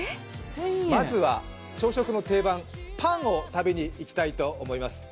まずは、朝食の定番パンを食べに行きたいと思います。